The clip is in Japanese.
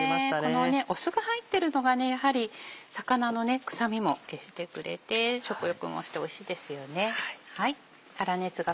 この酢が入ってるのがやはり魚の臭みも消してくれて食欲も増しておいしいですよね。